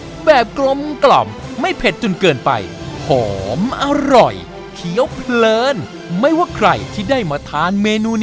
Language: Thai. ทีมครูดผ้ากุ้งวางเงินไว้จำนวน๖๐๐บาทนะคะได้ทาน๕จาน